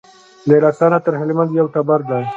له رسا نه تر هلمند یو ټبر دی